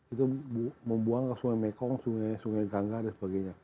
itu membuang ke sungai mekong sungai sungai gangga dan sebagainya